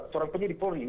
seorang penyidik polri